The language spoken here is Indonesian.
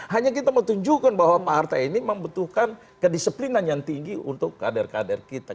hanya kita mau tunjukkan bahwa pak hartai ini membutuhkan kedisiplinan yang tinggi untuk kader kader kita